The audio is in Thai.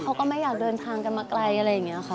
เขาก็ไม่อยากเดินทางกันมาไกลอะไรอย่างนี้ค่ะ